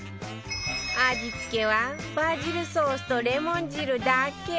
味付けはバジルソースとレモン汁だけ